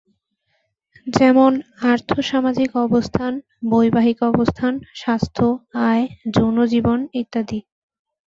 যেমন- আর্থ-সামাজিক অবস্থান, বৈবাহিক অবস্থান, স্বাস্থ্য, আয়, যৌন-জীবন ইত্যাদি।